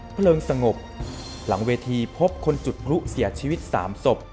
เพลิงสงบหลังเวทีพบคนจุดพลุเสียชีวิต๓ศพ